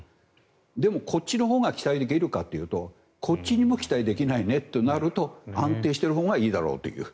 でも、こっちのほうが期待できるかというとこっちにも期待できないねとなると安定してるほうがいいだろうという。